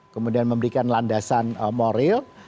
kemudian memberikan landasan moral